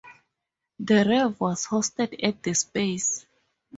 The rave was hosted at The SpacE!